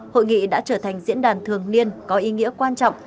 hội nghị đã trở thành diễn đàn thường niên có ý nghĩa quan trọng